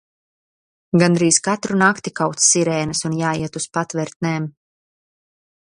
Gandrīz katru nakti kauc sirēnas un jāiet uz patvertnēm.